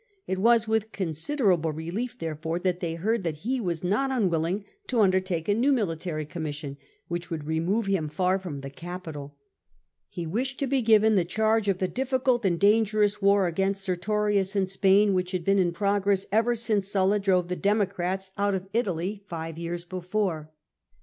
It was with considerable relief, therefore, that they heard that he was not unwilling to undertake a new military com mission, which would remove him far from the capital. Ho wished to be given the charge of the difficult and dangerous war against Sertorius in Spain, which had been in progress ever since Sulla drove the Democrats out of Italy five years before.